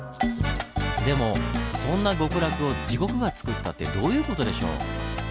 でもそんな極楽を地獄がつくったってどういう事でしょう？